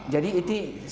jadi itu sebelumnya